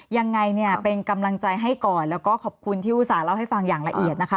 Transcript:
ยังไงเนี่ยเป็นกำลังใจให้ก่อนแล้วก็ขอบคุณที่อุตส่าห์เล่าให้ฟังอย่างละเอียดนะคะ